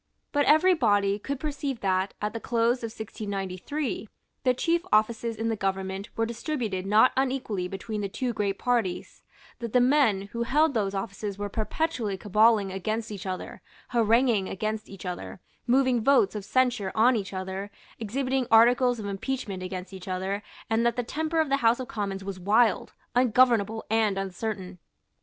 But every body could perceive that, at the close of 1693, the chief offices in the government were distributed not unequally between the two great parties, that the men who held those offices were perpetually caballing against each other, haranguing against each other, moving votes of censure on each other, exhibiting articles of impeachment against each other, and that the temper of the House of Commons was wild, ungovernable and uncertain.